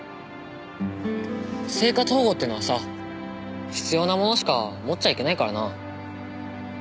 生活保護っていうのはさ必要な物しか持っちゃいけないからな。